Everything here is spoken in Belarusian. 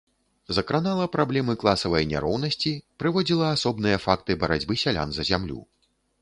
Закранала праблемы класавай няроўнасці, прыводзіла асобныя факты барацьбы сялян за зямлю.